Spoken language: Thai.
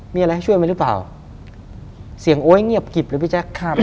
มีอะไรให้ช่วยไหมหรือเปล่าเสียงโอ๊ยเงียบกิบเลยพี่แจ๊คครับ